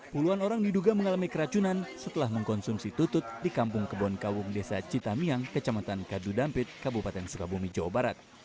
puluhan orang diduga mengalami keracunan setelah mengkonsumsi tutut di kampung kebonkawung desa citamiang kecamatan kadudampit kabupaten sukabumi jawa barat